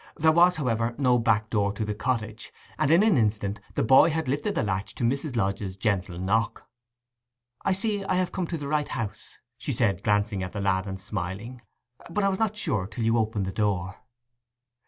There was, however, no backdoor to the cottage, and in an instant the boy had lifted the latch to Mrs. Lodge's gentle knock. 'I see I have come to the right house,' said she, glancing at the lad, and smiling. 'But I was not sure till you opened the door.